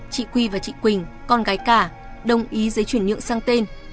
chị quy và chị quỳnh con gái cả đồng ý giấy chuyển nhượng sang tên